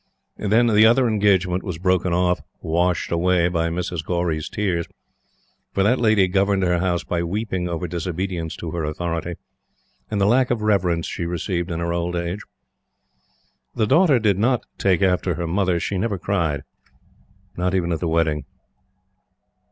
Then the other engagement was broken off washed away by Mrs. Gaurey's tears, for that lady governed her house by weeping over disobedience to her authority and the lack of reverence she received in her old age. The daughter did not take after her mother. She never cried. Not even at the wedding.